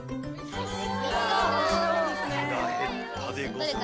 はらへったでござる。